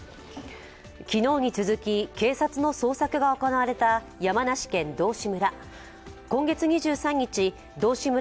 昨日に続き、警察の捜索が行われた山梨県道志村。